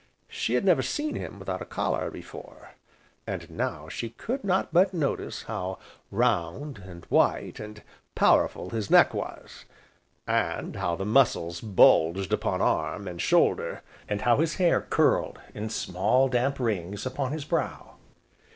She had never seen him without a collar, before, and now she could not but notice how round, and white, and powerful his neck was, and how the muscles bulged upon arm, and shoulder, and how his hair curled in small, damp rings upon his brow.